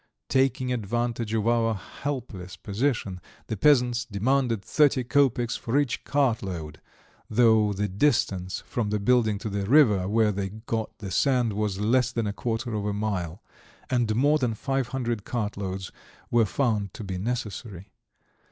Taking advantage of our helpless position, the peasants demanded thirty kopecks for each cartload, though the distance from the building to the river where they got the sand was less than a quarter of a mile, and more than five hundred cartloads were found to be necessary.